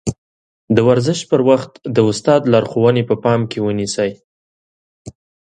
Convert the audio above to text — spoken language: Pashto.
د ورزش پر وخت د استاد لارښوونې په پام کې ونيسئ.